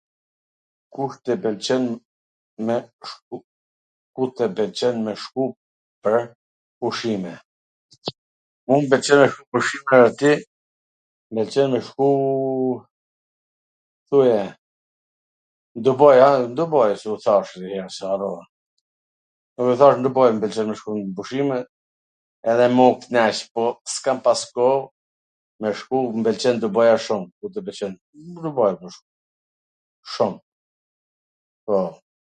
Ku tw pwlqen me shku ...ku tw pwlqen me shku pwr pushime? Mu m pwlqen pwr pushime or ti, m pwlqen me shku, thuaje, n Dubaj, a n Dubaj se e thash nji her se harrova, domethan n Dubaj m pwlqen me shku n pushime edhe m u knaq, po s kam pas koh me shku, mw pwlqen Dubaja shum, m pwlqen Dubaj me shku... shum, po.